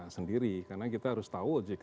sendiri karena kita harus tahu ojk